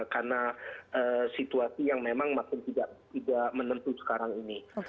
karena situasi yang memang masih tidak menentu sekarang ini